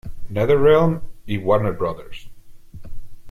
Netherrealm y Warner Bros.